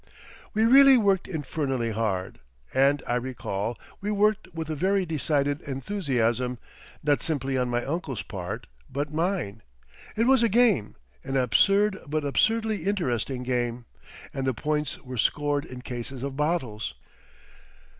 We really worked infernally hard, and, I recall, we worked with a very decided enthusiasm, not simply on my uncle's part but mine, It was a game, an absurd but absurdly interesting game, and the points were scored in cases of bottles.